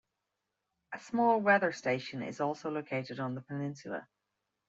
A small weather station is also located on the peninsula.